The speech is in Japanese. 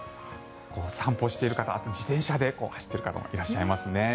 散歩している方、あとは自転車で走っている方もいらっしゃいますね。